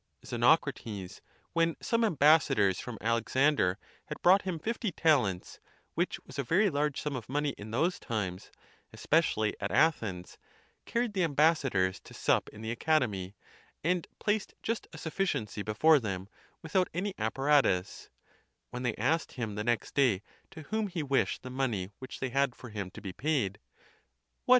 Xenocrates, when some ambassadors from Alexander had brought him fifty talents, which was a very large sum of money in those times, especially at Athens, carried the ambassadors to sup in the Academy, and placed just a sufficiency before them, without any apparatus, When they asked him, the next day, to whom he wished the money which they had for him to be paid: " What!"